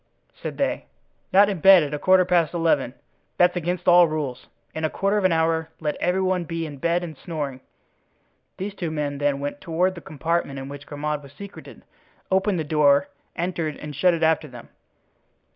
said they, "not in bed at a quarter past eleven. That's against all rules. In a quarter of an hour let every one be in bed and snoring." These two men then went toward the compartment in which Grimaud was secreted; opened the door, entered and shut it after them.